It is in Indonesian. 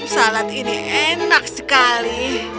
salad ini enak sekali